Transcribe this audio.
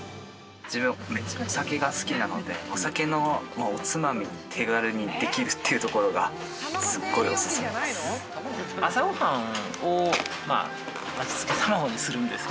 自分お酒が好きなのでお酒のおつまみが手軽にできるっていうところがすっごいおすすめです。